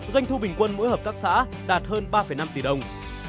doanh thu bình quân mỗi hợp tác xã đạt hơn ba năm tỷ đồng